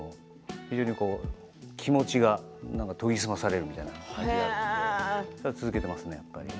非常に気持ちが研ぎ澄まされるみたいなだから続けていますね、やっぱり。